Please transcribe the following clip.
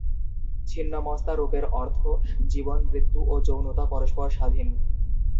ছিন্নমস্তা রূপের অর্থ জীবন, মৃত্যু ও যৌনতা পরস্পর স্বাধীন।